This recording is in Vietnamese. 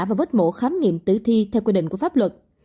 và vết mổ khám nghiệm tử thi theo quy định của pháp luật